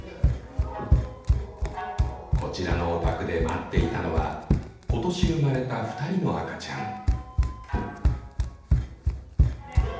こちらのお宅で待っていたのは今年生まれた２人の赤ちゃん。